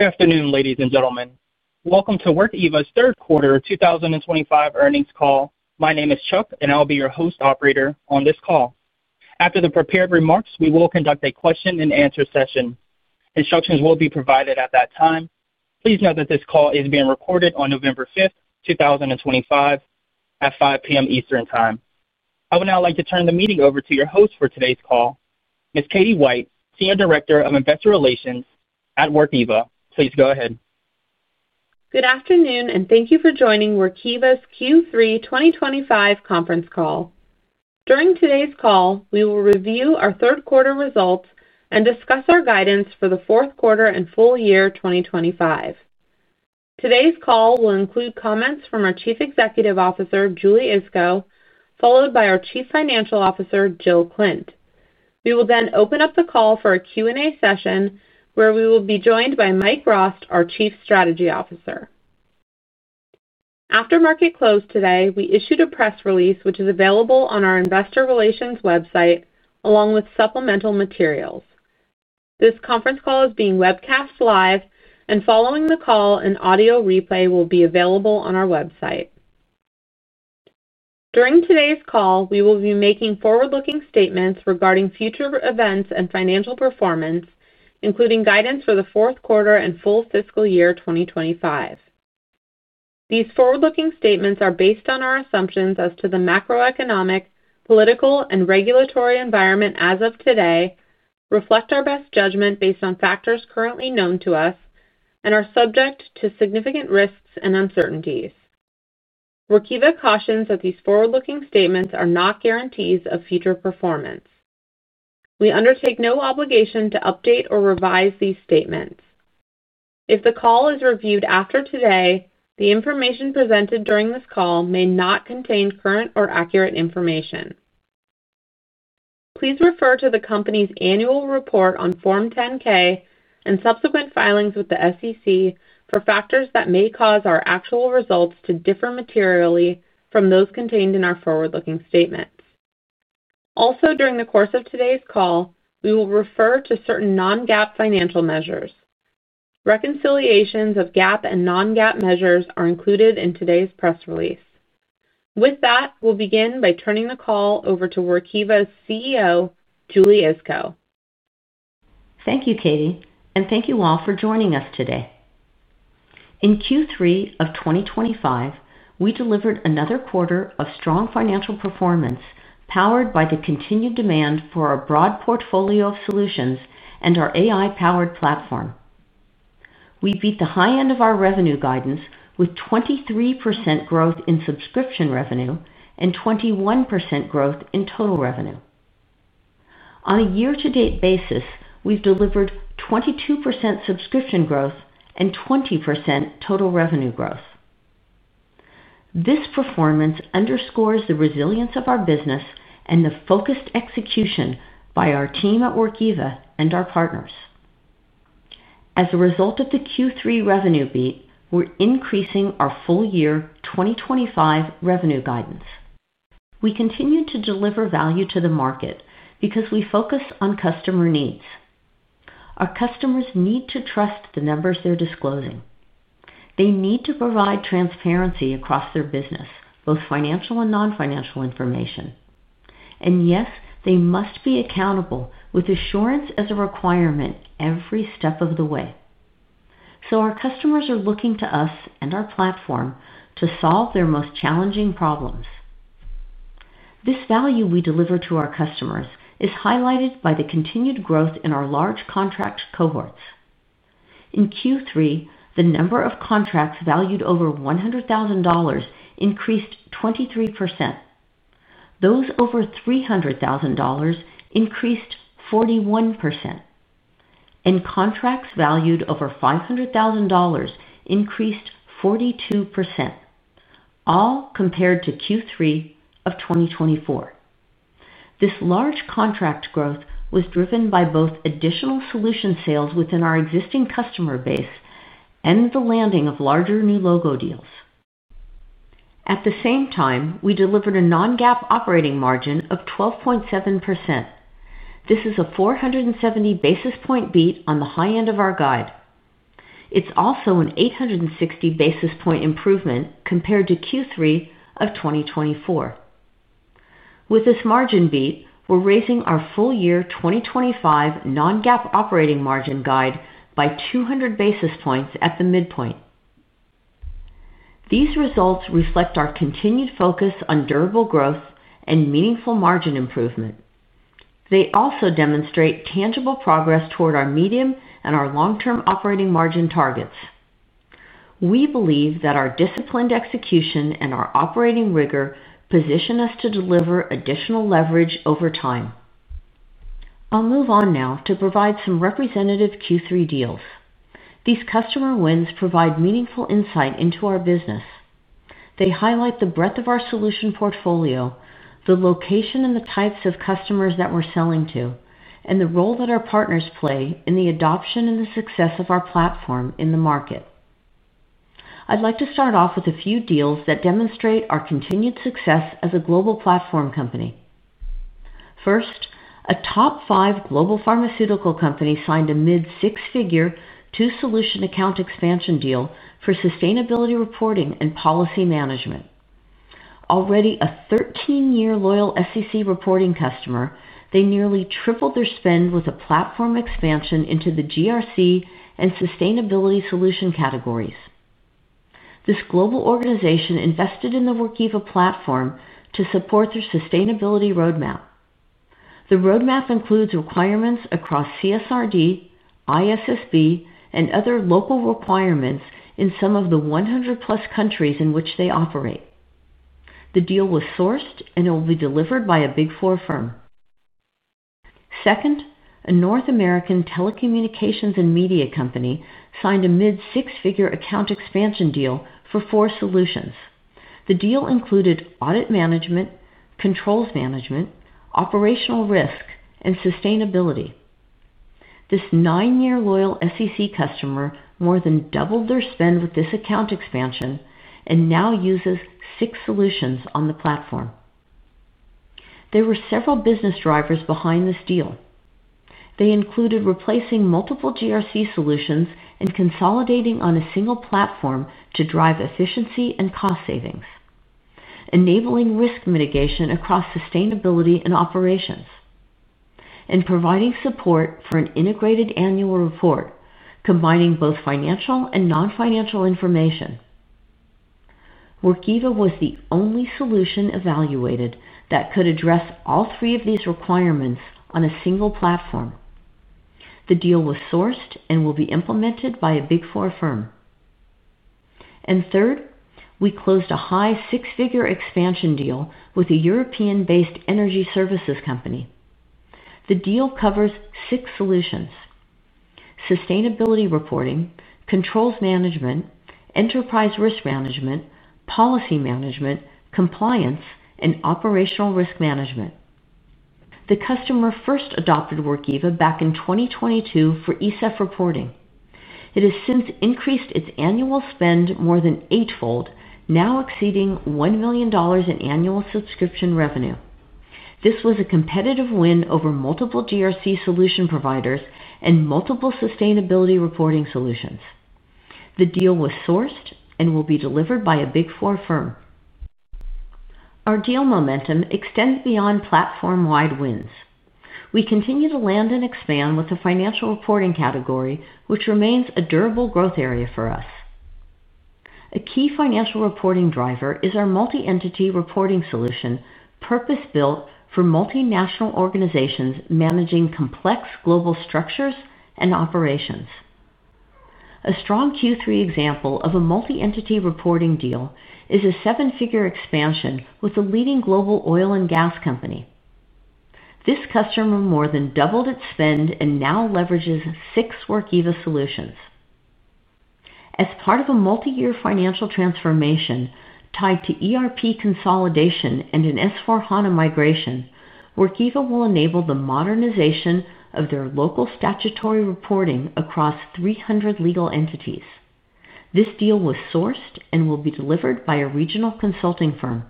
Good afternoon, ladies and gentlemen. Welcome to Workiva's third quarter 2025 earnings call. My name is Chuck, and I'll be your host operator on this call. After the prepared remarks, we will conduct a question-and-answer session. Instructions will be provided at that time. Please note that this call is being recorded on November 5th, 2025, at 5:00 P.M. Eastern Time. I would now like to turn the meeting over to your host for today's call, Ms. Katie White, Senior Director of Investor Relations at Workiva. Please go ahead. Good afternoon, and thank you for joining Workiva's Q3 2025 conference call. During today's call, we will review our third quarter results and discuss our guidance for the fourth quarter and full year 2025. Today's call will include comments from our Chief Executive Officer, Julie Iskow, followed by our Chief Financial Officer, Jill Klindt. We will then open up the call for a Q&A session where we will be joined by Mike Rost, our Chief Strategy Officer. After market close today, we issued a press release, which is available on our Investor Relations website along with supplemental materials. This conference call is being webcast live, and following the call, an audio replay will be available on our website. During today's call, we will be making forward-looking statements regarding future events and financial performance, including guidance for the fourth quarter and full fiscal year 2025. These forward-looking statements are based on our assumptions as to the macroeconomic, political, and regulatory environment as of today, reflect our best judgment based on factors currently known to us, and are subject to significant risks and uncertainties. Workiva cautions that these forward-looking statements are not guarantees of future performance. We undertake no obligation to update or revise these statements. If the call is reviewed after today, the information presented during this call may not contain current or accurate information. Please refer to the company's annual report on Form 10-K and subsequent filings with the SEC for factors that may cause our actual results to differ materially from those contained in our forward-looking statements. Also, during the course of today's call, we will refer to certain non-GAAP financial measures. Reconciliations of GAAP and non-GAAP measures are included in today's press release. With that, we'll begin by turning the call over to Workiva's CEO, Julie Iskow. Thank you, Katie, and thank you all for joining us today. In Q3 of 2025, we delivered another quarter of strong financial performance powered by the continued demand for our broad portfolio of solutions and our AI-powered platform. We beat the high end of our revenue guidance with 23% growth in subscription revenue and 21% growth in total revenue. On a year-to-date basis, we've delivered 22% subscription growth and 20% total revenue growth. This performance underscores the resilience of our business and the focused execution by our team at Workiva and our partners. As a result of the Q3 revenue beat, we're increasing our full year 2025 revenue guidance. We continue to deliver value to the market because we focus on customer needs. Our customers need to trust the numbers they're disclosing. They need to provide transparency across their business, both financial and non-financial information. Yes, they must be accountable with assurance as a requirement every step of the way. Our customers are looking to us and our platform to solve their most challenging problems. This value we deliver to our customers is highlighted by the continued growth in our large contract cohorts. In Q3, the number of contracts valued over $100,000 increased 23%. Those over $300,000 increased 41%. Contracts valued over $500,000 increased 42%. All compared to Q3 of 2024. This large contract growth was driven by both additional solution sales within our existing customer base and the landing of larger new logo deals. At the same time, we delivered a non-GAAP operating margin of 12.7%. This is a 470 basis point beat on the high end of our guide. It is also an 860 basis point improvement compared to Q3 of 2024. With this margin beat, we're raising our full year 2025 non-GAAP operating margin guide by 200 basis points at the midpoint. These results reflect our continued focus on durable growth and meaningful margin improvement. They also demonstrate tangible progress toward our medium and our long-term operating margin targets. We believe that our disciplined execution and our operating rigor position us to deliver additional leverage over time. I'll move on now to provide some representative Q3 deals. These customer wins provide meaningful insight into our business. They highlight the breadth of our solution portfolio, the location and the types of customers that we're selling to, and the role that our partners play in the adoption and the success of our platform in the market. I'd like to start off with a few deals that demonstrate our continued success as a global platform company. First, a top five global pharmaceutical company signed a mid-six-figure two-solution account expansion deal for sustainability reporting and policy management. Already a 13-year loyal SEC reporting customer, they nearly tripled their spend with a platform expansion into the GRC and sustainability solution categories. This global organization invested in the Workiva platform to support their sustainability roadmap. The roadmap includes requirements across CSRD, ISSB, and other local requirements in some of the 100-plus countries in which they operate. The deal was sourced, and it will be delivered by a Big Four firm. Second, a North American telecommunications and media company signed a mid-six-figure account expansion deal for four solutions. The deal included audit management, controls management, operational risk, and sustainability. This nine-year loyal SEC customer more than doubled their spend with this account expansion and now uses six solutions on the platform. There were several business drivers behind this deal. They included replacing multiple GRC solutions and consolidating on a single platform to drive efficiency and cost savings. Enabling risk mitigation across sustainability and operations. Providing support for an integrated annual report combining both financial and non-financial information. Workiva was the only solution evaluated that could address all three of these requirements on a single platform. The deal was sourced and will be implemented by a Big Four firm. Third, we closed a high six-figure expansion deal with a European-based energy services company. The deal covers six solutions: sustainability reporting, controls management, enterprise risk management, policy management, compliance, and operational risk management. The customer first adopted Workiva back in 2022 for ESEF reporting. It has since increased its annual spend more than eightfold, now exceeding $1 million in annual subscription revenue. This was a competitive win over multiple GRC solution providers and multiple sustainability reporting solutions. The deal was sourced and will be delivered by a Big Four firm. Our deal momentum extends beyond platform-wide wins. We continue to land and expand with the financial reporting category, which remains a durable growth area for us. A key financial reporting driver is our multi-entity reporting solution, purpose-built for multinational organizations managing complex global structures and operations. A strong Q3 example of a multi-entity reporting deal is a seven-figure expansion with a leading global oil and gas company. This customer more than doubled its spend and now leverages six Workiva solutions. As part of a multi-year financial transformation tied to ERP consolidation and an S/4HANA migration, Workiva will enable the modernization of their local statutory reporting across 300 legal entities. This deal was sourced and will be delivered by a regional consulting firm.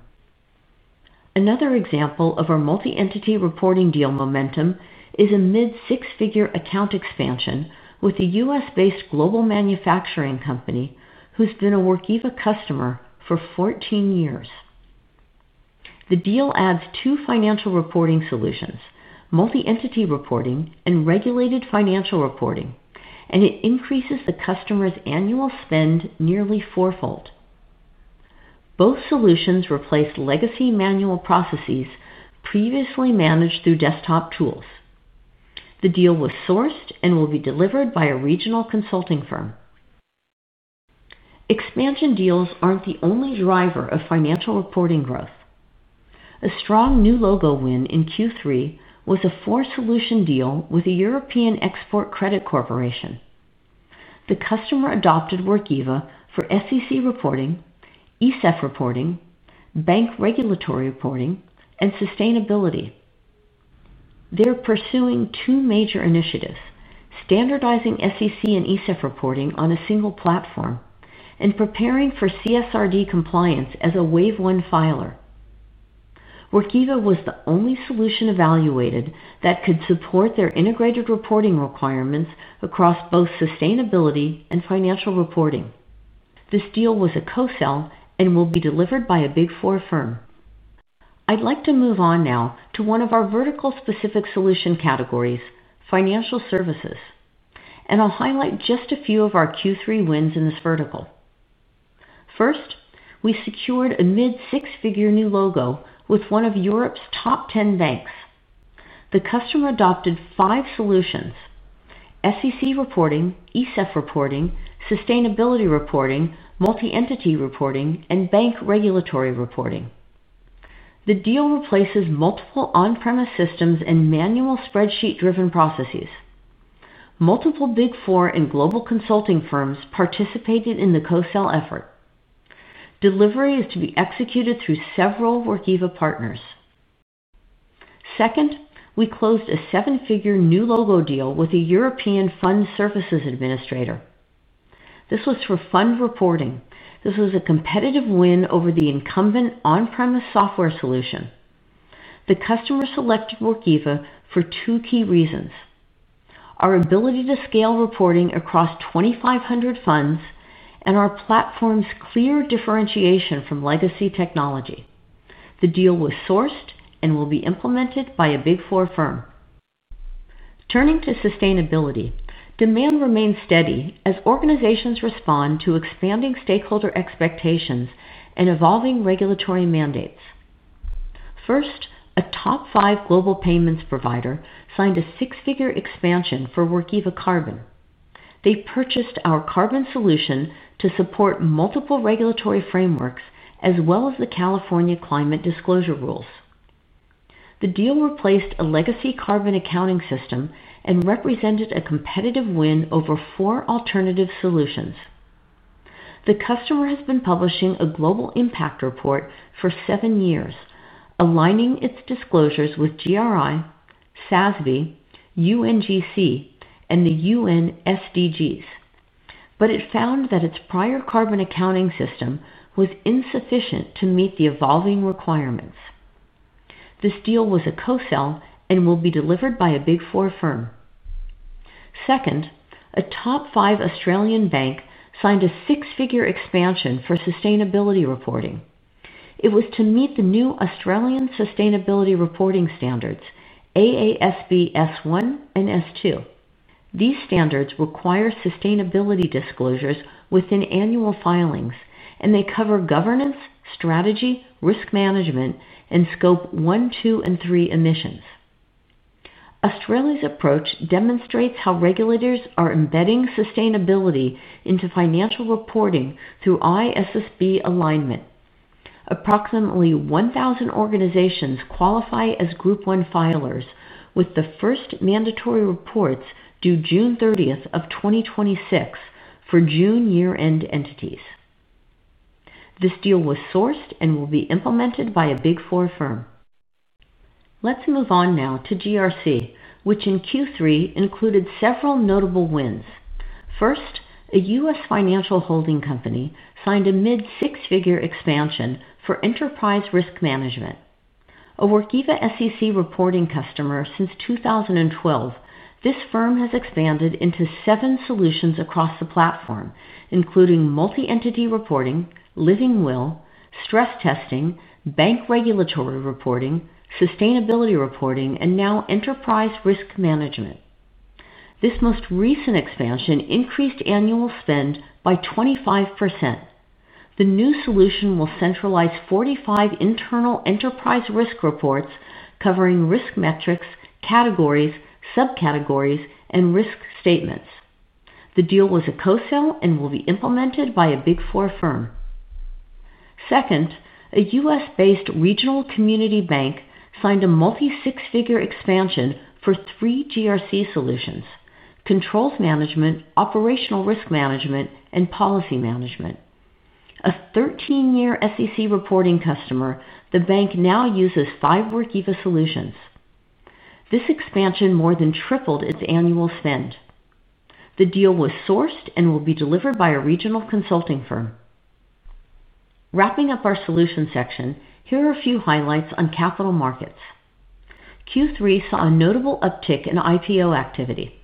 Another example of our multi-entity reporting deal momentum is a mid-six-figure account expansion with a US-based global manufacturing company who's been a Workiva customer for 14 years. The deal adds two financial reporting solutions, multi-entity reporting and regulated financial reporting, and it increases the customer's annual spend nearly fourfold. Both solutions replace legacy manual processes previously managed through desktop tools. The deal was sourced and will be delivered by a regional consulting firm. Expansion deals aren't the only driver of financial reporting growth. A strong new logo win in Q3 was a four-solution deal with a European export credit corporation. The customer adopted Workiva for SEC reporting, ESEF reporting, bank regulatory reporting, and sustainability. They're pursuing two major initiatives: standardizing SEC and ESEF reporting on a single platform and preparing for CSRD compliance as a Wave 1 filer. Workiva was the only solution evaluated that could support their integrated reporting requirements across both sustainability and financial reporting. This deal was a co-sell and will be delivered by a Big Four firm. I would like to move on now to one of our vertical-specific solution categories, financial services. I will highlight just a few of our Q3 wins in this vertical. First, we secured a mid-six-figure new logo with one of Europe's top 10 banks. The customer adopted five solutions: SEC reporting, ESEF reporting, sustainability reporting, multi-entity reporting, and bank regulatory reporting. The deal replaces multiple on-premise systems and manual spreadsheet-driven processes. Multiple Big Four and global consulting firms participated in the co-sell effort. Delivery is to be executed through several Workiva partners. Second, we closed a seven-figure new logo deal with a European fund services administrator. This was for fund reporting. This was a competitive win over the incumbent on-premise software solution. The customer selected Workiva for two key reasons. Our ability to scale reporting across 2,500 funds and our platform's clear differentiation from legacy technology. The deal was sourced and will be implemented by a Big Four firm. Turning to sustainability, demand remains steady as organizations respond to expanding stakeholder expectations and evolving regulatory mandates. First, a top five global payments provider signed a six-figure expansion for Workiva Carbon. They purchased our carbon solution to support multiple regulatory frameworks as well as the California climate disclosure rules. The deal replaced a legacy carbon accounting system and represented a competitive win over four alternative solutions. The customer has been publishing a global impact report for seven years, aligning its disclosures with GRI, SASB, UNGC, and the UN SDGs. It found that its prior carbon accounting system was insufficient to meet the evolving requirements. This deal was a co-sell and will be delivered by a Big Four firm. Second, a top five Australian bank signed a six-figure expansion for sustainability reporting. It was to meet the new Australian sustainability reporting standards, AASB S1 and S2. These standards require sustainability disclosures within annual filings, and they cover governance, strategy, risk management, and scope one, two, and three emissions. Australia's approach demonstrates how regulators are embedding sustainability into financial reporting through ISSB alignment. Approximately 1,000 organizations qualify as group one filers with the first mandatory reports due June 30th of 2026 for June year-end entities. This deal was sourced and will be implemented by a Big Four firm. Let's move on now to GRC, which in Q3 included several notable wins. First, a U.S. financial holding company signed a mid-six-figure expansion for enterprise risk management. A Workiva SEC reporting customer since 2012, this firm has expanded into seven solutions across the platform, including multi-entity reporting, living will, stress testing, bank regulatory reporting, sustainability reporting, and now enterprise risk management. This most recent expansion increased annual spend by 25%. The new solution will centralize 45 internal enterprise risk reports covering risk metrics, categories, subcategories, and risk statements. The deal was a co-sell and will be implemented by a Big Four firm. Second, a U.S.-based regional community bank signed a multi-six-figure expansion for three GRC solutions: controls management, operational risk management, and policy management. A 13-year SEC reporting customer, the bank now uses five Workiva solutions. This expansion more than tripled its annual spend. The deal was sourced and will be delivered by a regional consulting firm. Wrapping up our solution section, here are a few highlights on capital markets. Q3 saw a notable uptick in IPO activity.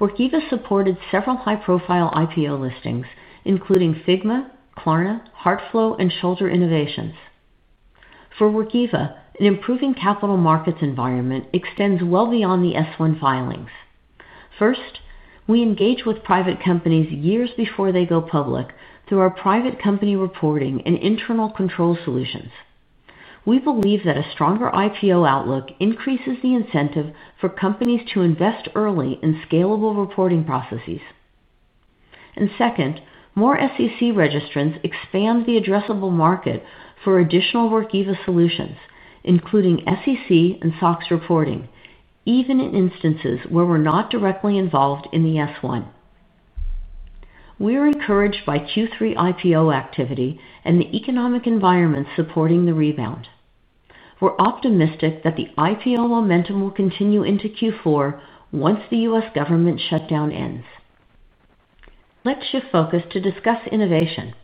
Workiva supported several high-profile IPO listings, including Figma, Klarna, Hartflow, and Scholter Innovations. For Workiva, an improving capital markets environment extends well beyond the S1 filings. First, we engage with private companies years before they go public through our private company reporting and internal control solutions. We believe that a stronger IPO outlook increases the incentive for companies to invest early in scalable reporting processes. Second, more SEC registrants expand the addressable market for additional Workiva solutions, including SEC and SOX reporting, even in instances where we're not directly involved in the S1. We're encouraged by Q3 IPO activity and the economic environment supporting the rebound. We're optimistic that the IPO momentum will continue into Q4 once the U.S. government shutdown ends. Let's shift focus to discuss innovation.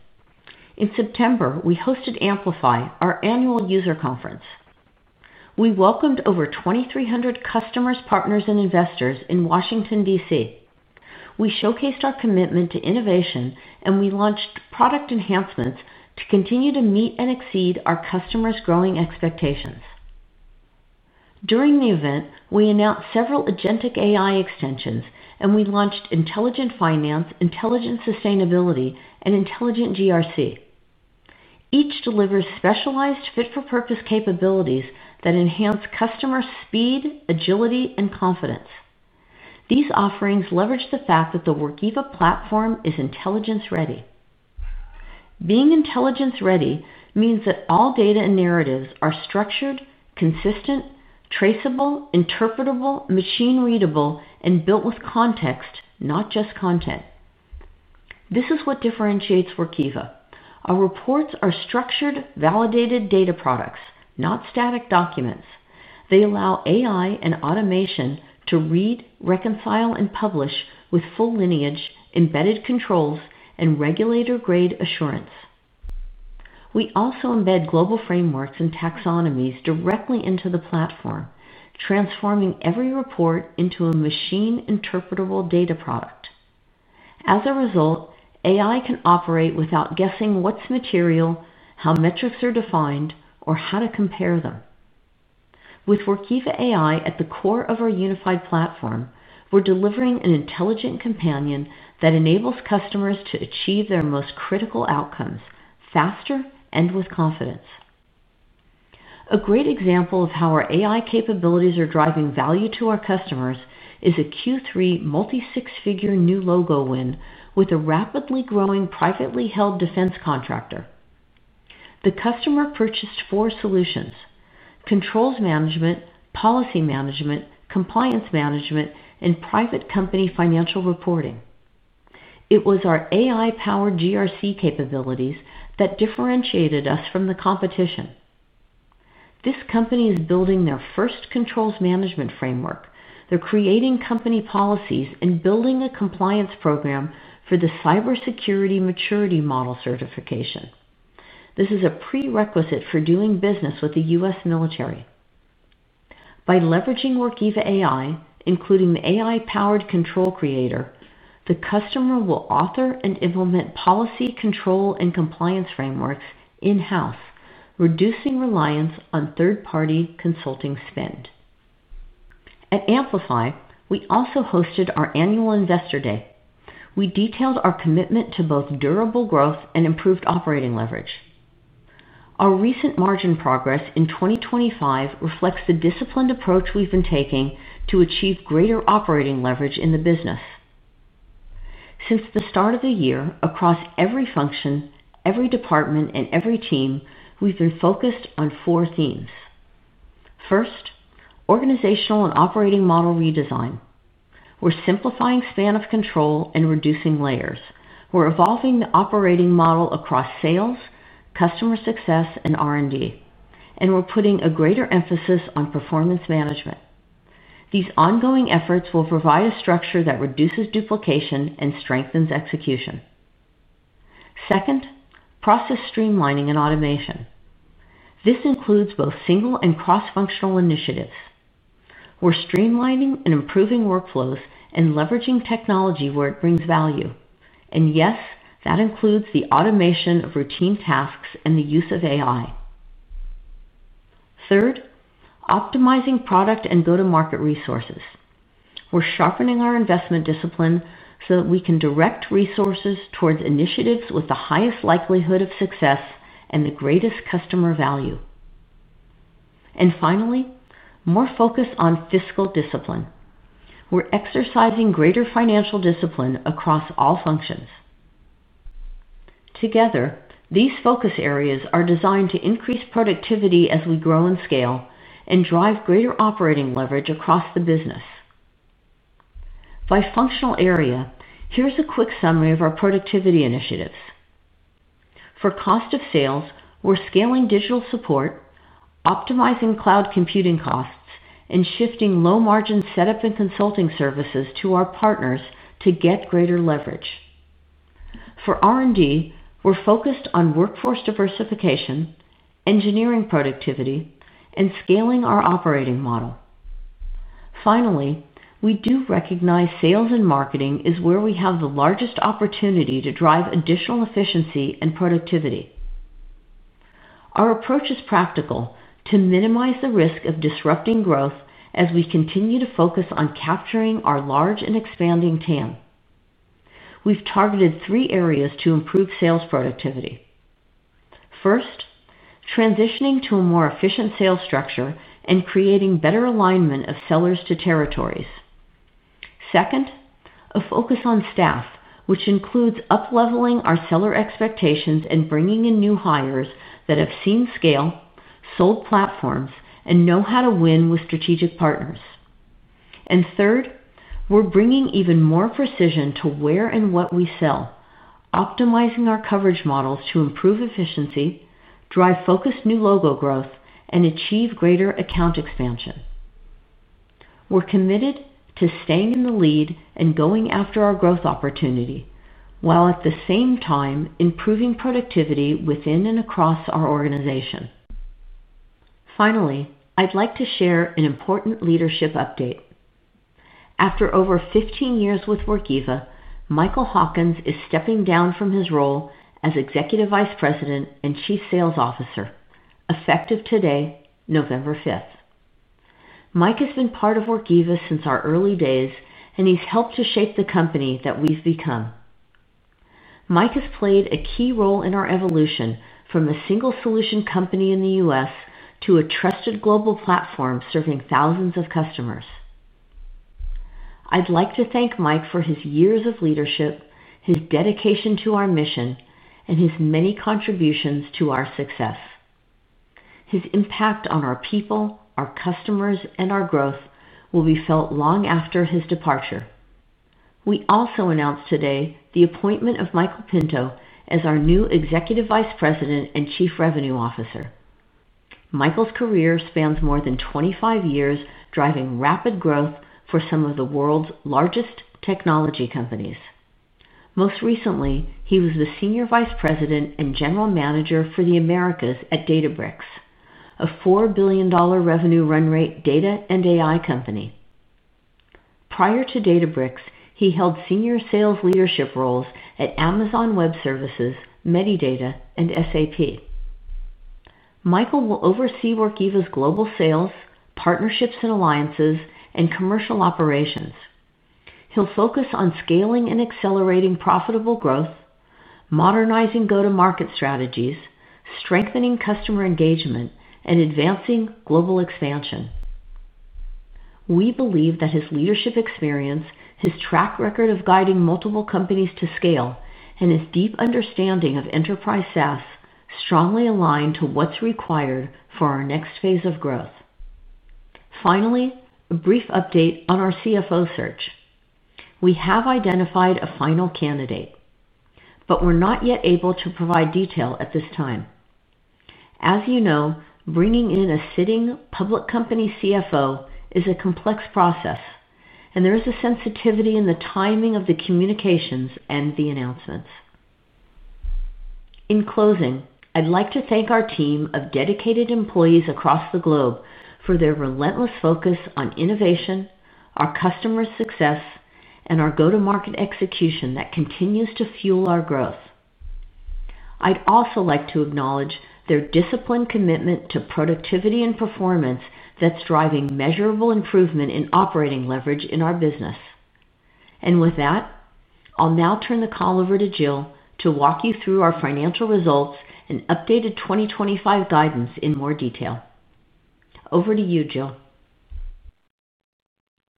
In September, we hosted Amplify, our annual user conference. We welcomed over 2,300 customers, partners, and investors in Washington, DC. We showcased our commitment to innovation, and we launched product enhancements to continue to meet and exceed our customers' growing expectations. During the event, we announced several agentic AI extensions, and we launched Intelligent Finance, Intelligent Sustainability, and Intelligent GRC. Each delivers specialized fit-for-purpose capabilities that enhance customer speed, agility, and confidence. These offerings leverage the fact that the Workiva platform is intelligence-ready. Being intelligence-ready means that all data and narratives are structured, consistent, traceable, interpretable, machine-readable, and built with context, not just content. This is what differentiates Workiva. Our reports are structured, validated data products, not static documents. They allow AI and automation to read, reconcile, and publish with full lineage, embedded controls, and regulator-grade assurance. We also embed global frameworks and taxonomies directly into the platform. Transforming every report into a machine-interpretable data product. As a result, AI can operate without guessing what's material, how metrics are defined, or how to compare them. With Workiva AI at the core of our unified platform, we're delivering an intelligent companion that enables customers to achieve their most critical outcomes faster and with confidence. A great example of how our AI capabilities are driving value to our customers is a Q3 multi-six-figure new logo win with a rapidly growing privately held defense contractor. The customer purchased four solutions: controls management, policy management, compliance management, and private company financial reporting. It was our AI-powered GRC capabilities that differentiated us from the competition. This company is building their first controls management framework. They're creating company policies and building a compliance program for the cybersecurity maturity model certification. This is a prerequisite for doing business with the US military. By leveraging Workiva AI, including the AI-powered control creator, the customer will author and implement policy, control, and compliance frameworks in-house, reducing reliance on third-party consulting spend. At Amplify, we also hosted our annual investor day. We detailed our commitment to both durable growth and improved operating leverage. Our recent margin progress in 2025 reflects the disciplined approach we've been taking to achieve greater operating leverage in the business. Since the start of the year, across every function, every department, and every team, we've been focused on four themes. First, organizational and operating model redesign. We're simplifying span of control and reducing layers. We're evolving the operating model across sales, customer success, and R&D, and we're putting a greater emphasis on performance management. These ongoing efforts will provide a structure that reduces duplication and strengthens execution. Second, process streamlining and automation. This includes both single and cross-functional initiatives. We're streamlining and improving workflows and leveraging technology where it brings value. Yes, that includes the automation of routine tasks and the use of AI. Third, optimizing product and go-to-market resources. We're sharpening our investment discipline so that we can direct resources towards initiatives with the highest likelihood of success and the greatest customer value. Finally, more focus on fiscal discipline. We're exercising greater financial discipline across all functions. Together, these focus areas are designed to increase productivity as we grow in scale and drive greater operating leverage across the business. By functional area, here's a quick summary of our productivity initiatives. For cost of sales, we're scaling digital support, optimizing cloud computing costs, and shifting low-margin setup and consulting services to our partners to get greater leverage. For R&D, we're focused on workforce diversification, engineering productivity, and scaling our operating model. Finally, we do recognize sales and marketing is where we have the largest opportunity to drive additional efficiency and productivity. Our approach is practical to minimize the risk of disrupting growth as we continue to focus on capturing our large and expanding TAM. We've targeted three areas to improve sales productivity. First, transitioning to a more efficient sales structure and creating better alignment of sellers to territories. Second, a focus on staff, which includes upleveling our seller expectations and bringing in new hires that have seen scale, sold platforms, and know how to win with strategic partners. Third, we're bringing even more precision to where and what we sell, optimizing our coverage models to improve efficiency, drive focused new logo growth, and achieve greater account expansion. We're committed to staying in the lead and going after our growth opportunity while at the same time improving productivity within and across our organization. Finally, I'd like to share an important leadership update. After over 15 years with Workiva, Michael Hawkins is stepping down from his role as Executive Vice President and Chief Sales Officer, effective today, November 5th. Mike has been part of Workiva since our early days, and he's helped to shape the company that we've become. Mike has played a key role in our evolution from a single-solution company in the U.S. to a trusted global platform serving thousands of customers. I'd like to thank Mike for his years of leadership, his dedication to our mission, and his many contributions to our success. His impact on our people, our customers, and our growth will be felt long after his departure. We also announced today the appointment of Michael Pinto as our new Executive Vice President and Chief Revenue Officer. Michael's career spans more than 25 years, driving rapid growth for some of the world's largest technology companies. Most recently, he was the Senior Vice President and General Manager for the Americas at Databricks, a $4 billion revenue run rate data and AI company. Prior to Databricks, he held senior sales leadership roles at Amazon Web Services, Metadata, and SAP. Michael will oversee Workiva's global sales, partnerships and alliances, and commercial operations. He'll focus on scaling and accelerating profitable growth. Modernizing go-to-market strategies, strengthening customer engagement, and advancing global expansion. We believe that his leadership experience, his track record of guiding multiple companies to scale, and his deep understanding of enterprise SaaS strongly align to what's required for our next phase of growth. Finally, a brief update on our CFO search. We have identified a final candidate, but we're not yet able to provide detail at this time. As you know, bringing in a sitting public company CFO is a complex process. There is a sensitivity in the timing of the communications and the announcements. In closing, I'd like to thank our team of dedicated employees across the globe for their relentless focus on innovation, our customer success, and our go-to-market execution that continues to fuel our growth. I'd also like to acknowledge their disciplined commitment to productivity and performance that's driving measurable improvement in operating leverage in our business. With that, I'll now turn the call over to Jill to walk you through our financial results and updated 2025 guidance in more detail. Over to you, Jill.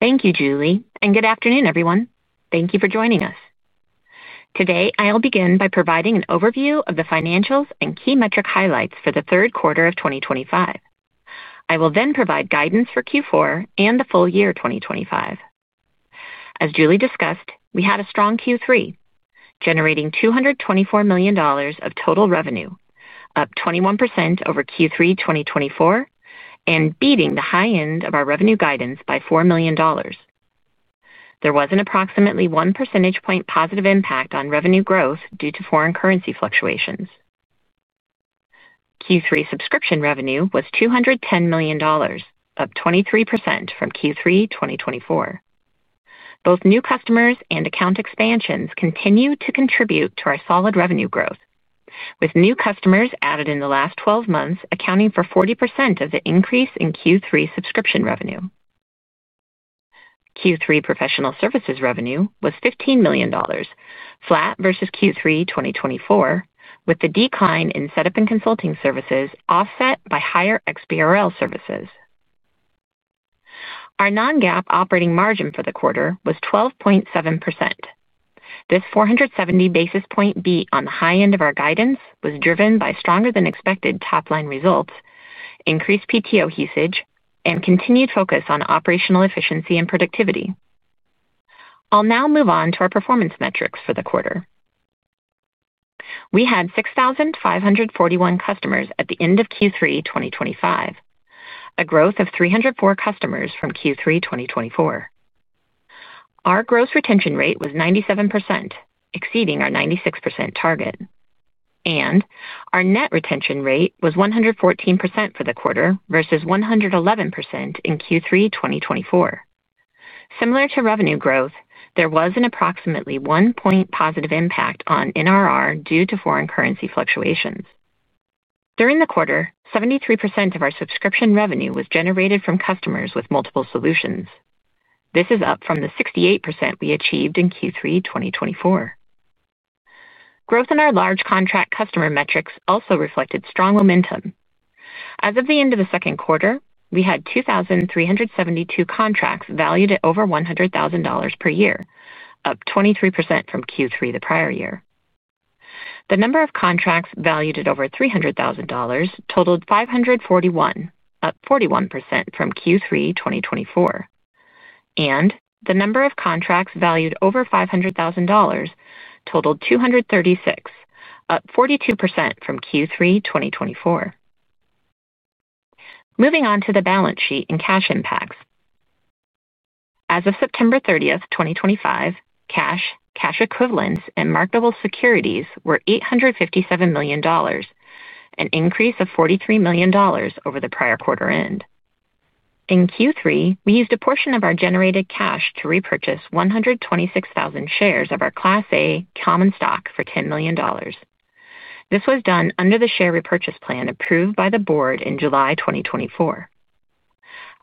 Thank you, Julie, and good afternoon, everyone. Thank you for joining us. Today, I'll begin by providing an overview of the financials and key metric highlights for the third quarter of 2025. I will then provide guidance for Q4 and the full year 2025. As Julie discussed, we had a strong Q3, generating $224 million of total revenue, up 21% over Q3 2024, and beating the high end of our revenue guidance by $4 million. There was an approximately one percentage point positive impact on revenue growth due to foreign currency fluctuations. Q3 subscription revenue was $210 million, up 23% from Q3 2024. Both new customers and account expansions continue to contribute to our solid revenue growth, with new customers added in the last 12 months accounting for 40% of the increase in Q3 subscription revenue. Q3 professional services revenue was $15 million, flat versus Q3 2024, with the decline in setup and consulting services offset by higher XBRL services. Our non-GAAP operating margin for the quarter was 12.7%. This 470 basis point beat on the high end of our guidance was driven by stronger-than-expected top-line results, increased PTO usage, and continued focus on operational efficiency and productivity. I'll now move on to our performance metrics for the quarter. We had 6,541 customers at the end of Q3 2025. A growth of 304 customers from Q3 2024. Our gross retention rate was 97%, exceeding our 96% target. Our net retention rate was 114% for the quarter versus 111% in Q3 2024. Similar to revenue growth, there was an approximately one point positive impact on NRR due to foreign currency fluctuations. During the quarter, 73% of our subscription revenue was generated from customers with multiple solutions. This is up from the 68% we achieved in Q3 2024. Growth in our large contract customer metrics also reflected strong momentum. As of the end of the second quarter, we had 2,372 contracts valued at over $100,000 per year, up 23% from Q3 the prior year. The number of contracts valued at over $300,000 totaled 541, up 41% from Q3 2024. The number of contracts valued over $500,000 totaled 236, up 42% from Q3 2024. Moving on to the balance sheet and cash impacts. As of September 30, 2025, cash, cash equivalents, and marketable securities were $857 million. An increase of $43 million over the prior quarter end. In Q3, we used a portion of our generated cash to repurchase 126,000 shares of our Class A common stock for $10 million. This was done under the share repurchase plan approved by the board in July 2024.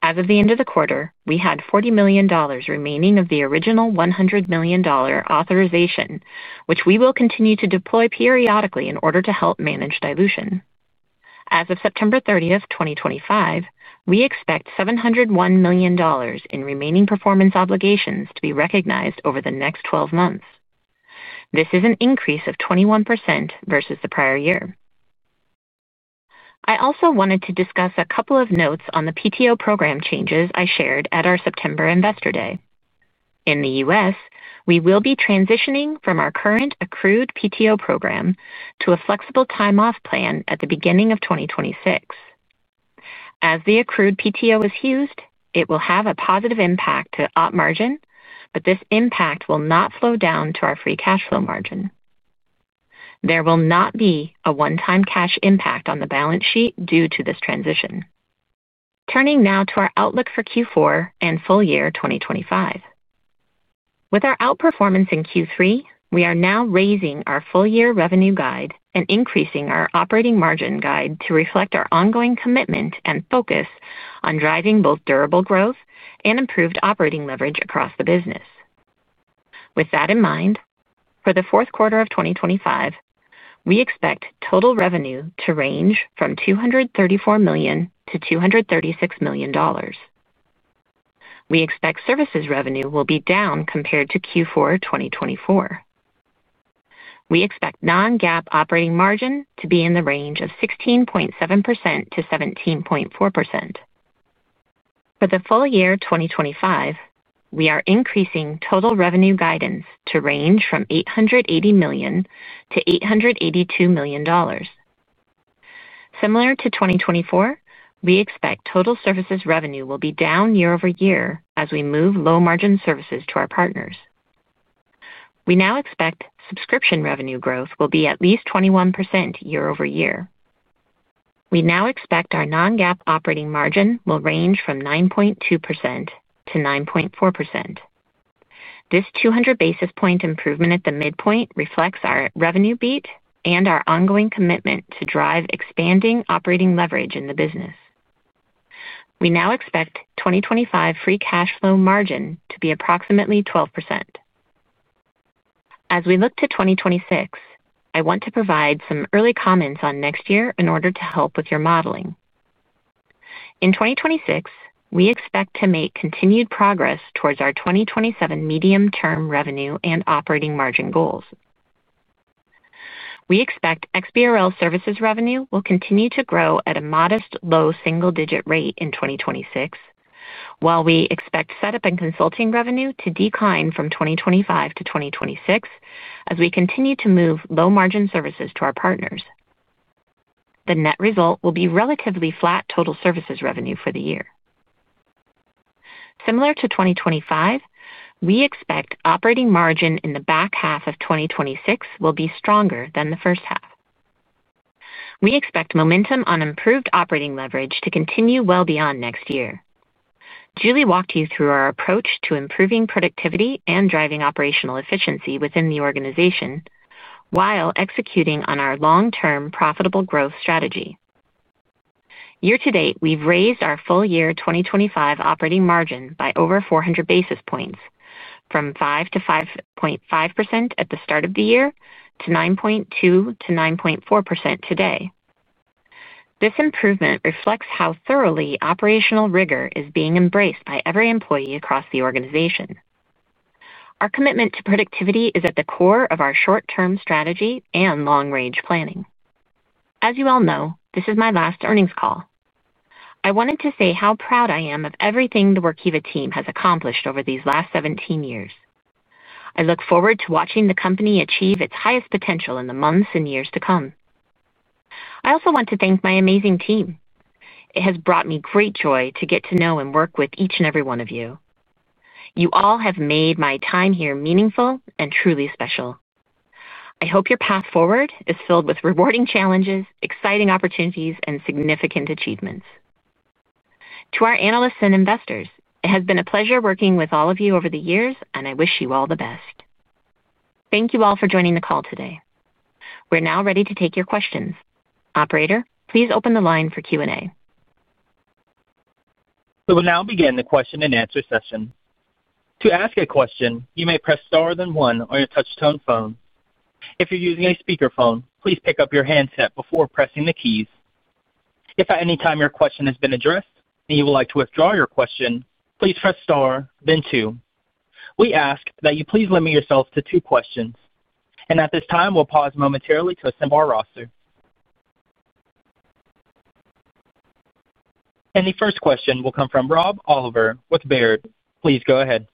As of the end of the quarter, we had $40 million remaining of the original $100 million authorization, which we will continue to deploy periodically in order to help manage dilution. As of September 30, 2025, we expect $701 million in remaining performance obligations to be recognized over the next 12 months. This is an increase of 21% versus the prior year. I also wanted to discuss a couple of notes on the PTO program changes I shared at our September investor day. In the U.S., we will be transitioning from our current accrued PTO program to a flexible time-off plan at the beginning of 2026. As the accrued PTO is used, it will have a positive impact to op margin, but this impact will not flow down to our free cash flow margin. There will not be a one-time cash impact on the balance sheet due to this transition. Turning now to our outlook for Q4 and full year 2025. With our outperformance in Q3, we are now raising our full year revenue guide and increasing our operating margin guide to reflect our ongoing commitment and focus on driving both durable growth and improved operating leverage across the business. With that in mind, for the fourth quarter of 2025, we expect total revenue to range from $234 million-$236 million. We expect services revenue will be down compared to Q4 2024. We expect non-GAAP operating margin to be in the range of 16.7%-17.4%. For the full year 2025, we are increasing total revenue guidance to range from $880 million-$882 million. Similar to 2024, we expect total services revenue will be down year over year as we move low-margin services to our partners. We now expect subscription revenue growth will be at least 21% year over year. We now expect our non-GAAP operating margin will range from 9.2%-9.4%. This 200 basis point improvement at the midpoint reflects our revenue beat and our ongoing commitment to drive expanding operating leverage in the business. We now expect 2025 free cash flow margin to be approximately 12%. As we look to 2026, I want to provide some early comments on next year in order to help with your modeling. In 2026, we expect to make continued progress towards our 2027 medium-term revenue and operating margin goals. We expect XBRL services revenue will continue to grow at a modest low single-digit rate in 2026. While we expect setup and consulting revenue to decline from 2025 to 2026 as we continue to move low-margin services to our partners. The net result will be relatively flat total services revenue for the year. Similar to 2025, we expect operating margin in the back half of 2026 will be stronger than the first half. We expect momentum on improved operating leverage to continue well beyond next year. Julie walked you through our approach to improving productivity and driving operational efficiency within the organization while executing on our long-term profitable growth strategy. Year to date, we've raised our full year 2025 operating margin by over 400 basis points, from 5.5% at the start of the year to 9.2%-9.4% today. This improvement reflects how thoroughly operational rigor is being embraced by every employee across the organization. Our commitment to productivity is at the core of our short-term strategy and long-range planning. As you all know, this is my last earnings call. I wanted to say how proud I am of everything the Workiva team has accomplished over these last 17 years. I look forward to watching the company achieve its highest potential in the months and years to come. I also want to thank my amazing team. It has brought me great joy to get to know and work with each and every one of you. You all have made my time here meaningful and truly special. I hope your path forward is filled with rewarding challenges, exciting opportunities, and significant achievements. To our analysts and investors, it has been a pleasure working with all of you over the years, and I wish you all the best. Thank you all for joining the call today. We're now ready to take your questions. Operator, please open the line for Q&A. We will now begin the question and answer session. To ask a question, you may press * then 1 on your touch-tone phone. If you're using a speakerphone, please pick up your handset before pressing the keys. If at any time your question has been addressed and you would like to withdraw your question, please press * then 2. We ask that you please limit yourself to two questions. At this time, we'll pause momentarily to assemble our roster. The first question will come from Rob Oliver with Baird. Please go ahead.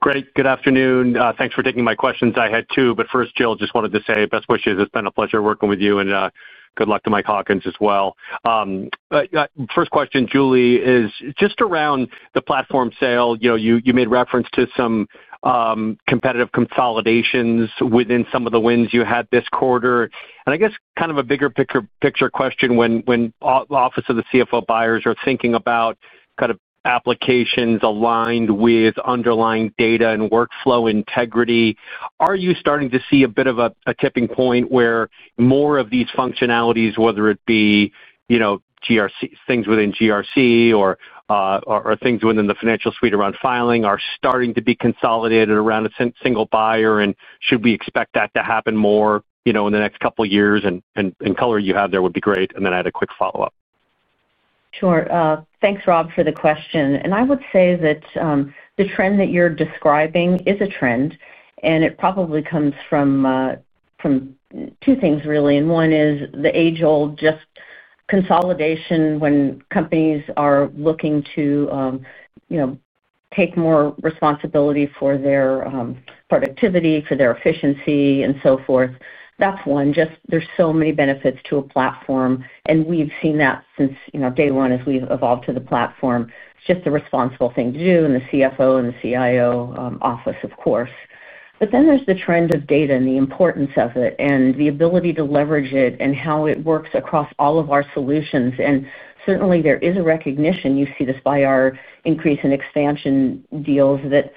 Great. Good afternoon. Thanks for taking my questions. I had two, but first, Jill, just wanted to say best wishes. It's been a pleasure working with you, and good luck to Mike Hawkins as well. First question, Julie, is just around the platform sale. You made reference to some competitive consolidations within some of the wins you had this quarter. I guess kind of a bigger picture question when the Office of the CFO buyers are thinking about kind of applications aligned with underlying data and workflow integrity. Are you starting to see a bit of a tipping point where more of these functionalities, whether it be things within GRC or things within the financial suite around filing, are starting to be consolidated around a single buyer, and should we expect that to happen more in the next couple of years? The color you have there would be great. I had a quick follow-up. Sure. Thanks, Rob, for the question. I would say that the trend that you're describing is a trend, and it probably comes from two things, really. One is the age-old just consolidation when companies are looking to take more responsibility for their productivity, for their efficiency, and so forth. That's one. There are so many benefits to a platform, and we've seen that since day one as we've evolved to the platform. It's just a responsible thing to do in the CFO and the CIO office, of course. There is the trend of data and the importance of it and the ability to leverage it and how it works across all of our solutions. Certainly, there is a recognition—you see this by our increase in expansion deals—that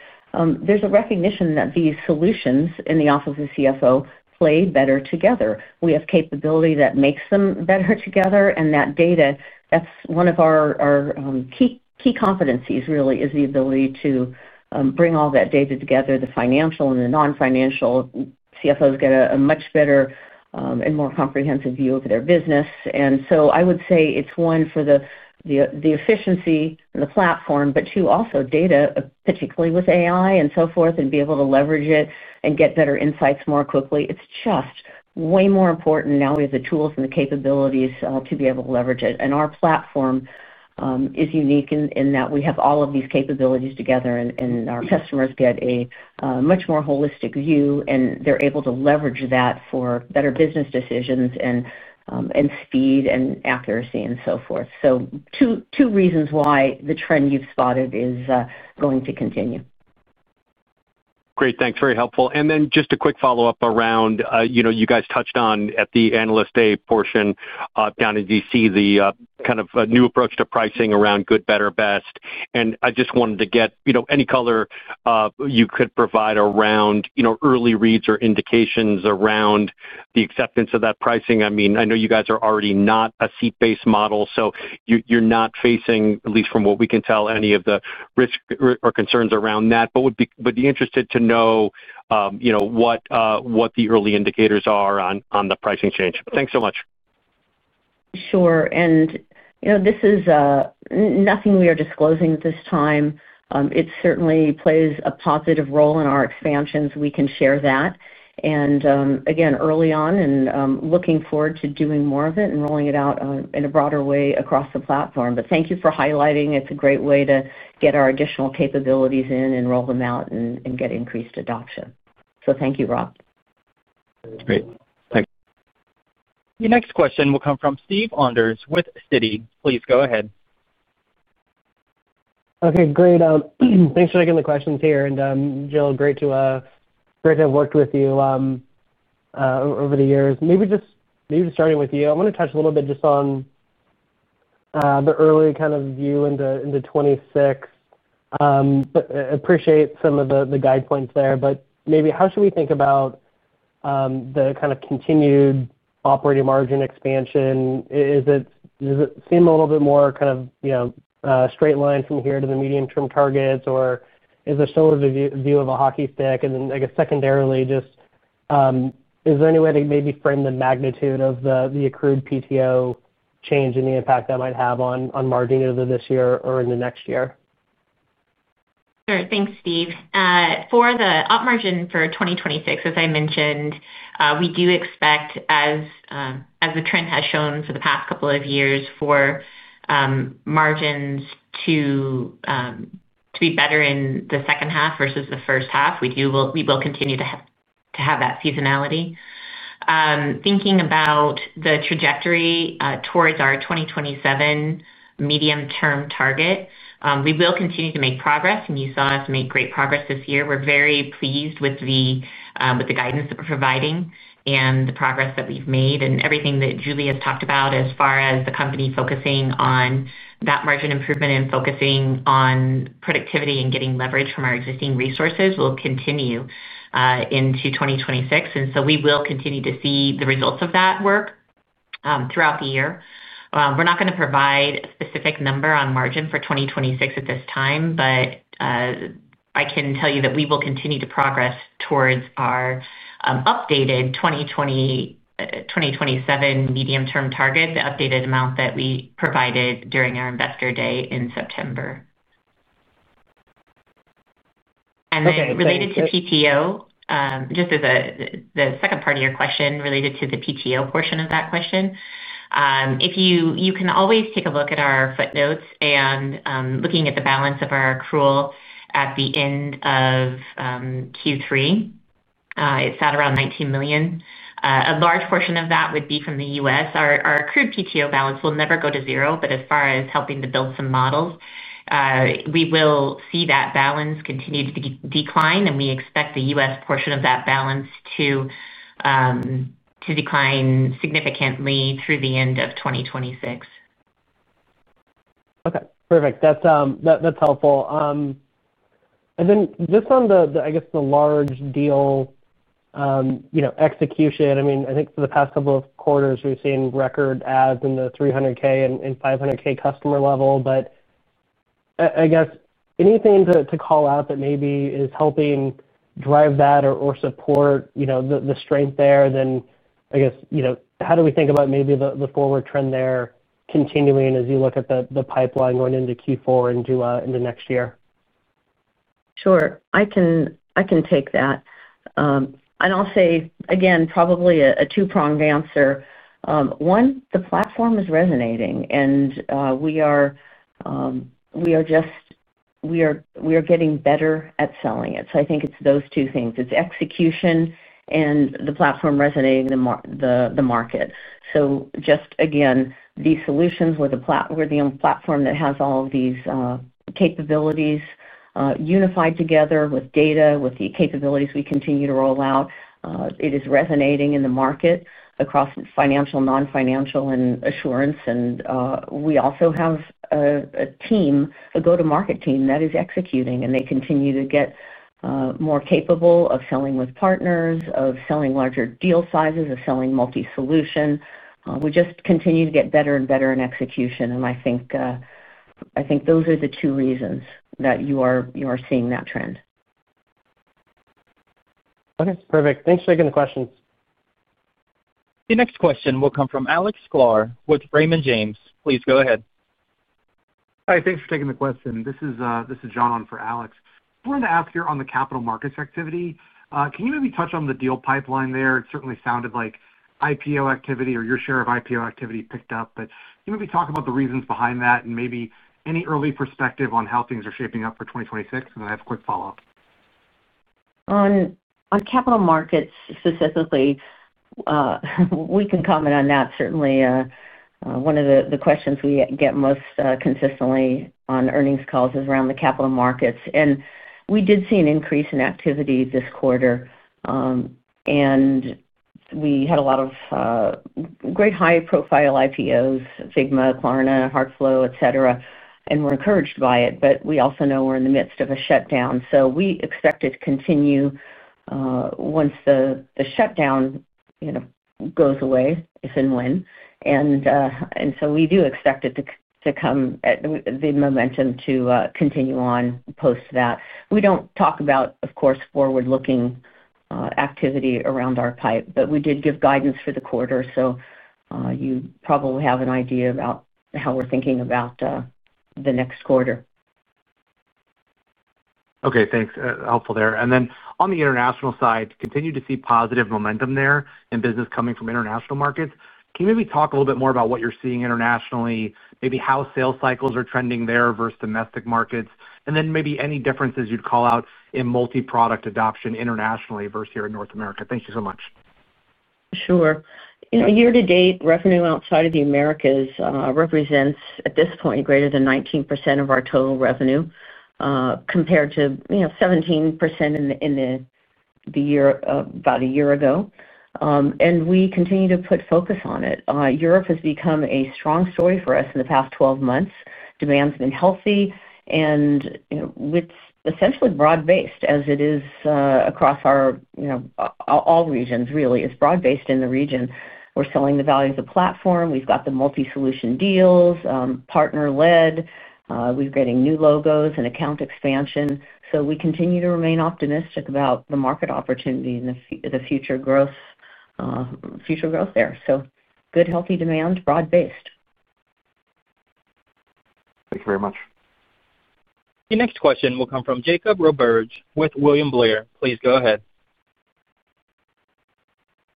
there's a recognition that these solutions in the Office of the CFO play better together. We have capability that makes them better together, and that data—that's one of our key competencies, really—is the ability to bring all that data together, the financial and the non-financial. CFOs get a much better and more comprehensive view of their business. I would say it is one for the efficiency and the platform, but two, also data, particularly with AI and so forth, and be able to leverage it and get better insights more quickly. It is just way more important now with the tools and the capabilities to be able to leverage it. Our platform is unique in that we have all of these capabilities together, and our customers get a much more holistic view, and they are able to leverage that for better business decisions and speed and accuracy and so forth. Two reasons why the trend you have spotted is going to continue. Great. Thanks. Very helpful. Just a quick follow-up around, you guys touched on at the analyst day portion down in Washington, DC, the kind of new approach to pricing around good, better, best. I just wanted to get any color. You could provide around early reads or indications around the acceptance of that pricing. I mean, I know you guys are already not a seat-based model, so you're not facing, at least from what we can tell, any of the risk or concerns around that. I would be interested to know what the early indicators are on the pricing change. Thanks so much. Sure. This is nothing we are disclosing at this time. It certainly plays a positive role in our expansions. We can share that. Again, early on, and looking forward to doing more of it and rolling it out in a broader way across the platform. Thank you for highlighting. It's a great way to get our additional capabilities in and roll them out and get increased adoption. Thank you, Rob. Great. Thanks. Your next question will come from Steve Enders with Citi. Please go ahead. Okay. Great. Thanks for taking the questions here. And Jill, great to have worked with you over the years. Maybe just starting with you, I want to touch a little bit just on the early kind of view into 2026. I appreciate some of the guide points there. Maybe how should we think about the kind of continued operating margin expansion? Does it seem a little bit more kind of a straight line from here to the medium-term targets, or is there still a view of a hockey stick? I guess secondarily, just is there any way to maybe frame the magnitude of the accrued PTO change and the impact that might have on margin either this year or in the next year? Sure. Thanks, Steve. For the op margin for 2026, as I mentioned, we do expect, as. The trend has shown for the past couple of years for margins to be better in the second half versus the first half. We will continue to have that seasonality. Thinking about the trajectory towards our 2027 medium-term target, we will continue to make progress, and you saw us make great progress this year. We're very pleased with the guidance that we're providing and the progress that we've made. Everything that Julie has talked about as far as the company focusing on that margin improvement and focusing on productivity and getting leverage from our existing resources will continue into 2026. We will continue to see the results of that work throughout the year. We're not going to provide a specific number on margin for 2026 at this time, but. I can tell you that we will continue to progress towards our updated 2027 medium-term target, the updated amount that we provided during our investor day in September. Related to PTO, just as the second part of your question related to the PTO portion of that question. You can always take a look at our footnotes and looking at the balance of our accrual at the end of Q3. It sat around $19 million. A large portion of that would be from the U.S. Our accrued PTO balance will never go to zero, but as far as helping to build some models, we will see that balance continue to decline, and we expect the U.S. portion of that balance to decline significantly through the end of 2026. Okay. Perfect. That's helpful. And then just on the, I guess, the large deal. Execution, I mean, I think for the past couple of quarters, we've seen record ads in the $300,000 and $500,000 customer level. I guess anything to call out that maybe is helping drive that or support the strength there, then I guess how do we think about maybe the forward trend there continuing as you look at the pipeline going into Q4 into next year? Sure. I can take that. And I'll say, again, probably a two-pronged answer. One, the platform is resonating, and we are just getting better at selling it. I think it's those two things. It's execution and the platform resonating in the market. Just again, these solutions were the platform that has all of these capabilities unified together with data, with the capabilities we continue to roll out. It is resonating in the market across financial, non-financial, and assurance. We also have a team, a go-to-market team that is executing, and they continue to get more capable of selling with partners, of selling larger deal sizes, of selling multi-solution. We just continue to get better and better in execution. I think those are the two reasons that you are seeing that trend. Okay. Perfect. Thanks for taking the questions. Your next question will come from Alex Sklar with Raymond James. Please go ahead. Hi. Thanks for taking the question. This is John for Alex. I wanted to ask you on the capital markets activity. Can you maybe touch on the deal pipeline there? It certainly sounded like IPO activity or your share of IPO activity picked up. Can you maybe talk about the reasons behind that and maybe any early perspective on how things are shaping up for 2026? I have a quick follow-up. On capital markets specifically, we can comment on that. Certainly. One of the questions we get most consistently on earnings calls is around the capital markets. We did see an increase in activity this quarter. We had a lot of great high-profile IPOs, Figma, Klarna, Hartflow, etc., and were encouraged by it. We also know we're in the midst of a shutdown. We expect it to continue once the shutdown goes away, if and when. We do expect the momentum to continue on post that. We do not talk about, of course, forward-looking activity around our pipe, but we did give guidance for the quarter. You probably have an idea about how we're thinking about the next quarter. Okay. Thanks. Helpful there. On the international side, continue to see positive momentum there in business coming from international markets. Can you maybe talk a little bit more about what you're seeing internationally, maybe how sales cycles are trending there versus domestic markets, and then maybe any differences you'd call out in multi-product adoption internationally versus here in North America? Thank you so much. Sure. Year-to-date, revenue outside of the Americas represents, at this point, greater than 19% of our total revenue, compared to 17% in the year about a year ago. We continue to put focus on it. Europe has become a strong story for us in the past 12 months. Demand's been healthy, and it's essentially broad-based as it is across all regions, really. It's broad-based in the region. We're selling the value of the platform. We've got the multi-solution deals, partner-led. We're getting new logos and account expansion. We continue to remain optimistic about the market opportunity and the future growth there. So good, healthy demand, broad-based. Thank you very much. Your next question will come from Jacob Roberge with William Blair. Please go ahead.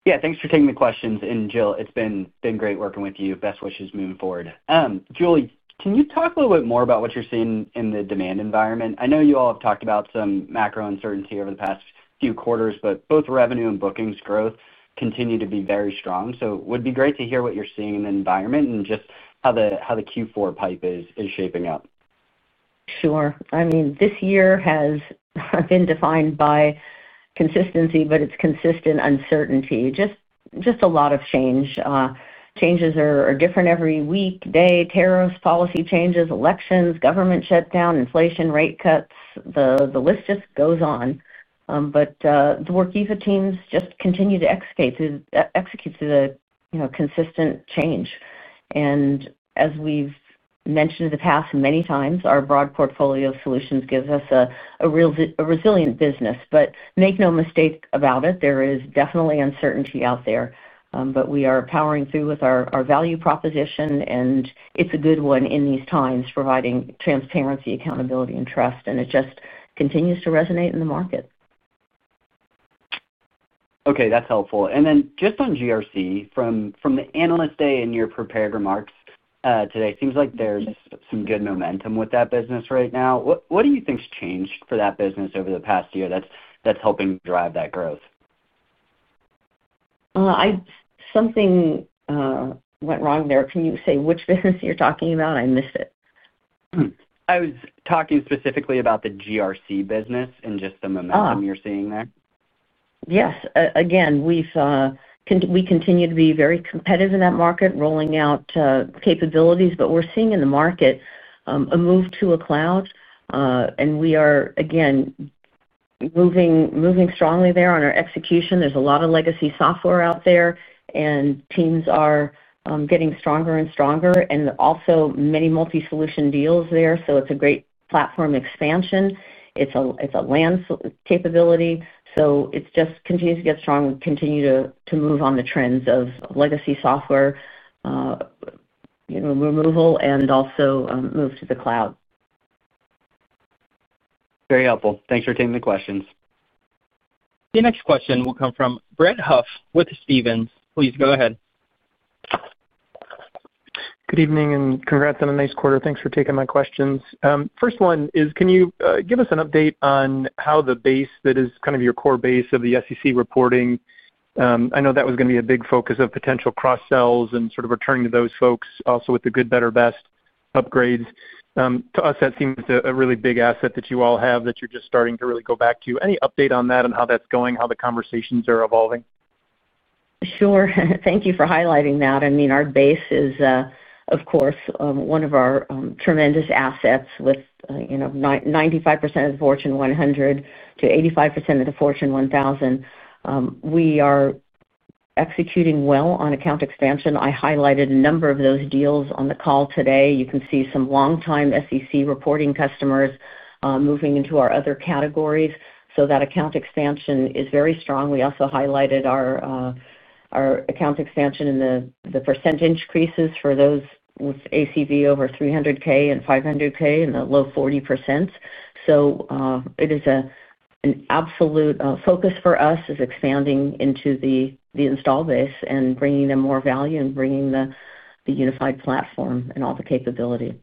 Yeah. Thanks for taking the questions. And Jill, it's been great working with you. Best wishes moving forward. Julie, can you talk a little bit more about what you're seeing in the demand environment? I know you all have talked about some macro uncertainty over the past few quarters, but both revenue and bookings growth continue to be very strong. It would be great to hear what you're seeing in the environment and just how the Q4 pipe is shaping up. Sure. I mean, this year has been defined by consistency, but it's consistent uncertainty. Just a lot of change. Changes are different every week, day, tariffs, policy changes, elections, government shutdown, inflation, rate cuts. The list just goes on. The Workiva teams just continue to execute. The consistent change. As we've mentioned in the past many times, our broad portfolio of solutions gives us a resilient business. Make no mistake about it, there is definitely uncertainty out there. We are powering through with our value proposition, and it's a good one in these times, providing transparency, accountability, and trust. It just continues to resonate in the market. Okay. That's helpful. Then just on GRC, from the analyst day and your prepared remarks today, it seems like there's some good momentum with that business right now. What do you think's changed for that business over the past year that's helping drive that growth? Something went wrong there. Can you say which business you're talking about? I missed it. I was talking specifically about the GRC business and just the momentum you're seeing there. Yes. Again, we continue to be very competitive in that market, rolling out capabilities. We are seeing in the market a move to a cloud, and we are, again, moving strongly there on our execution. There is a lot of legacy software out there, and teams are getting stronger and stronger, and also many multi-solution deals there. It is a great platform expansion. It is a LAN capability, so it just continues to get strong. We continue to move on the trends of legacy software removal and also move to the cloud. Very helpful. Thanks for taking the questions. Your next question will come from Brett Huff with Stephens. Please go ahead. Good evening and congrats on a nice quarter. Thanks for taking my questions. First one is, can you give us an update on how the base that is kind of your core base of the SEC reporting? I know that was going to be a big focus of potential cross-sells and sort of returning to those folks also with the good, better, best upgrades. To us, that seems a really big asset that you all have that you're just starting to really go back to. Any update on that and how that's going, how the conversations are evolving? Sure. Thank you for highlighting that. I mean, our base is, of course, one of our tremendous assets with 95% of the Fortune 100 to 85% of the Fortune 1000. We are executing well on account expansion. I highlighted a number of those deals on the call today. You can see some long-time SEC reporting customers moving into our other categories. So that account expansion is very strong. We also highlighted our account expansion and the % increases for those with ACV over $300,000 and $500,000 in the low 40%. It is an absolute focus for us is expanding into the install base and bringing them more value and bringing the unified platform and all the capability.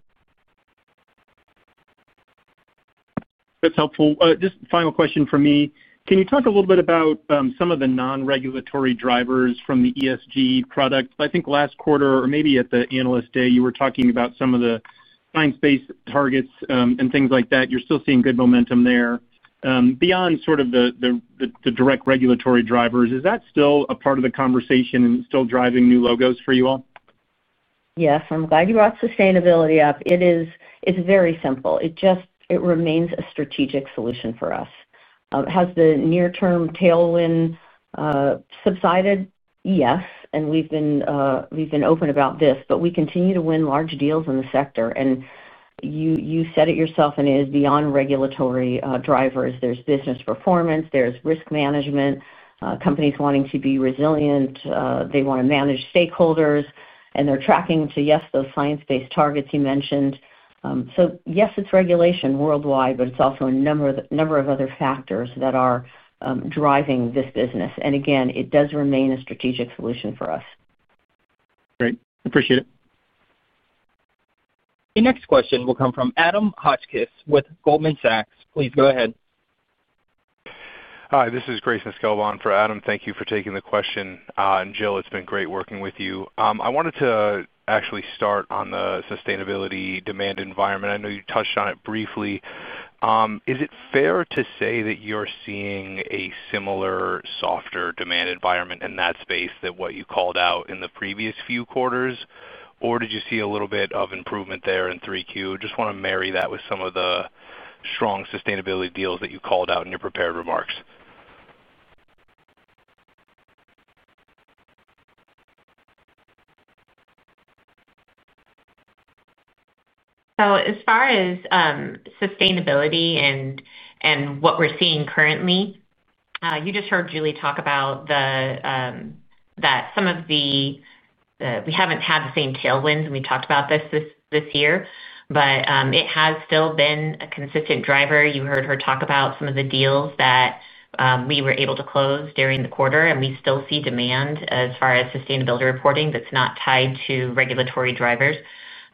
That's helpful. Just final question for me. Can you talk a little bit about some of the non-regulatory drivers from the ESG product? I think last quarter, or maybe at the analyst day, you were talking about some of the science-based targets and things like that. You're still seeing good momentum there. Beyond sort of the direct regulatory drivers, is that still a part of the conversation and still driving new logos for you all? Yes. I'm glad you brought sustainability up. It's very simple. It remains a strategic solution for us. Has the near-term tailwind subsided? Yes. And we've been open about this. We continue to win large deals in the sector. You said it yourself, and it is beyond regulatory drivers. There is business performance. There is risk management. Companies wanting to be resilient. They want to manage stakeholders. They are tracking to, yes, those science-based targets you mentioned. Yes, it is regulation worldwide, but it is also a number of other factors that are driving this business. It does remain a strategic solution for us. Great. Appreciate it. Your next question will come from Adam Hotchkiss with Goldman Sachs. Please go ahead. Hi. This is Greyson Sklba for Adam. Thank you for taking the question. Jill, it has been great working with you. I wanted to actually start on the sustainability demand environment. I know you touched on it briefly. Is it fair to say that you're seeing a similar, softer demand environment in that space than what you called out in the previous few quarters, or did you see a little bit of improvement there in 3Q? Just want to marry that with some of the strong sustainability deals that you called out in your prepared remarks. As far as sustainability and what we're seeing currently, you just heard Julie talk about that. We haven't had the same tailwinds when we talked about this this year, but it has still been a consistent driver. You heard her talk about some of the deals that we were able to close during the quarter. We still see demand as far as sustainability reporting that's not tied to regulatory drivers,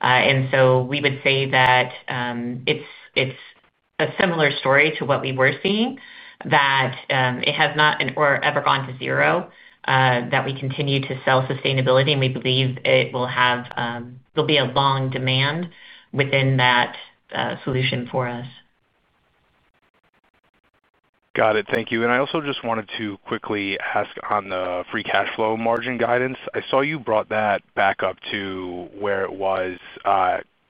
and so we would say that. It's a similar story to what we were seeing, that it has not ever gone to zero, that we continue to sell sustainability. We believe it will have. There'll be a long demand within that solution for us. Got it. Thank you. I also just wanted to quickly ask on the free cash flow margin guidance. I saw you brought that back up to where it was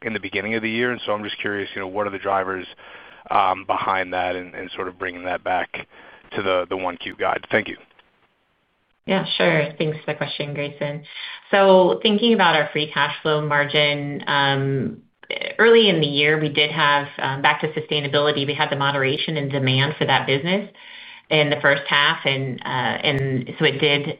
in the beginning of the year. I'm just curious, what are the drivers behind that and sort of bringing that back to the 1Q guide? Thank you. Yeah. Sure. Thanks for the question, Greyson. Thinking about our free cash flow margin, early in the year, we did have, back to sustainability, we had the moderation in demand for that business in the first half. So it did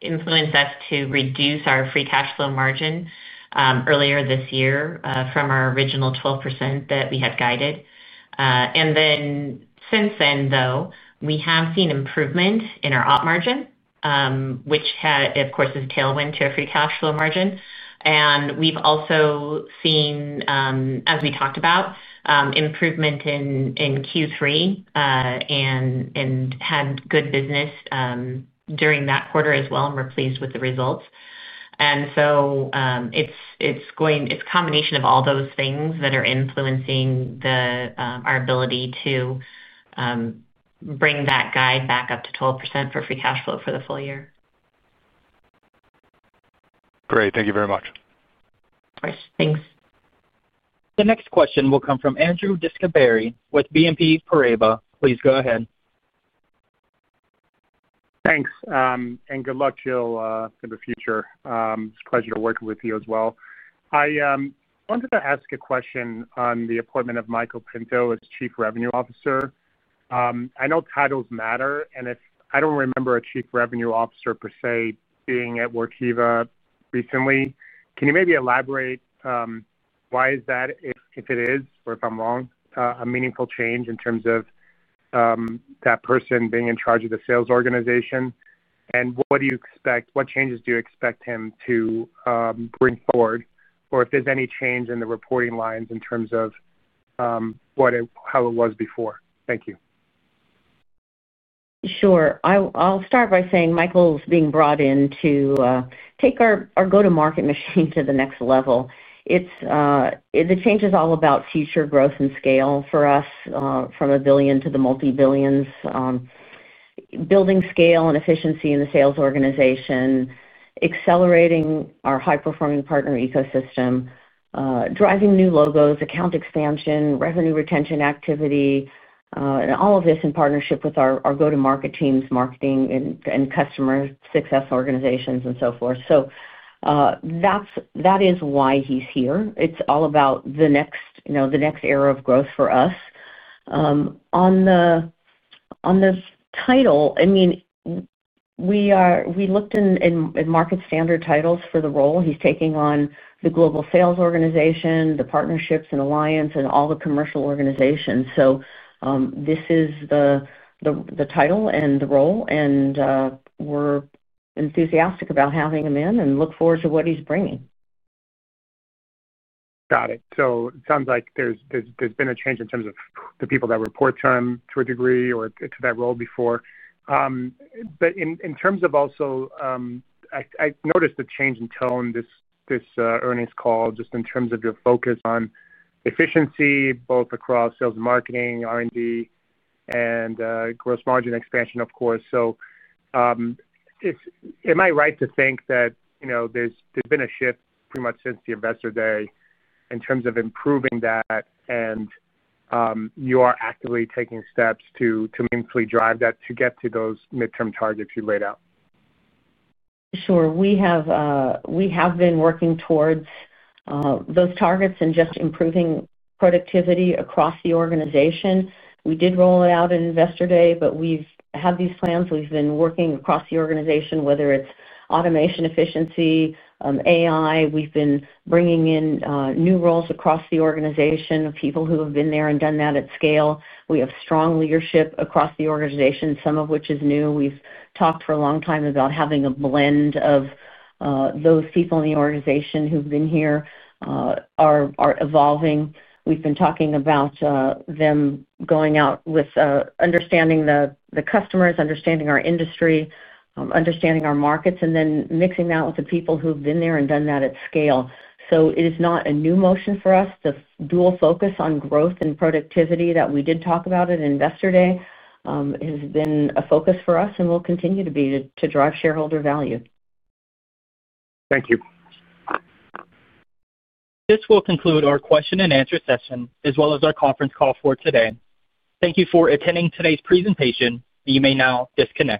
influence us to reduce our free cash flow margin earlier this year from our original 12% that we had guided. Since then, though, we have seen improvement in our op margin, which, of course, is a tailwind to our free cash flow margin. We have also seen, as we talked about, improvement in Q3 and had good business during that quarter as well and were pleased with the results. It is a combination of all those things that are influencing our ability to bring that guide back up to 12% for free cash flow for the full year. Great. Thank you very much. Of course. Thanks. The next question will come from Andrew DeGasperi with BNP Paribas. Please go ahead. Thanks. And good luck, Jill, in the future. It is a pleasure to work with you as well. I wanted to ask a question on the appointment of Michael Pinto as Chief Revenue Officer. I know titles matter. I do not remember a Chief Revenue Officer, per se, being at Workiva recently. Can you maybe elaborate. Why is that, if it is, or if I am wrong, a meaningful change in terms of that person being in charge of the sales organization? What do you expect? What changes do you expect him to bring forward, or if there is any change in the reporting lines in terms of how it was before? Thank you. Sure. I will start by saying Michael is being brought in to take our go-to-market machine to the next level. The change is all about future growth and scale for us from a billion to the multibillions. Building scale and efficiency in the sales organization, accelerating our high-performing partner ecosystem, driving new logos, account expansion, revenue retention activity. All of this in partnership with our go-to-market teams, marketing, and customer success organizations, and so forth. That is why he's here. It's all about the next era of growth for us. On the title, I mean, we looked in market standard titles for the role. He's taking on the global sales organization, the partnerships and alliance, and all the commercial organizations. This is the title and the role. We're enthusiastic about having him in and look forward to what he's bringing. Got it. It sounds like there's been a change in terms of the people that report to him to a degree or to that role before. But in terms of also. I noticed a change in tone this earnings call just in terms of your focus on efficiency, both across sales and marketing, R&D, and gross margin expansion, of course. Am I right to think that there's been a shift pretty much since the investor day in terms of improving that, and you are actively taking steps to meaningfully drive that to get to those midterm targets you laid out? Sure. We have been working towards those targets and just improving productivity across the organization. We did roll it out at investor day, but we've had these plans. We've been working across the organization, whether it's automation efficiency, AI. We've been bringing in new roles across the organization of people who have been there and done that at scale. We have strong leadership across the organization, some of which is new. We've talked for a long time about having a blend of those people in the organization who've been here, are evolving. We've been talking about them going out with understanding the customers, understanding our industry, understanding our markets, and then mixing that with the people who've been there and done that at scale. It is not a new motion for us. The dual focus on growth and productivity that we did talk about at investor day has been a focus for us and will continue to be to drive shareholder value. Thank you. This will conclude our question-and-answer session as well as our conference call for today. Thank you for attending today's presentation. You may now disconnect.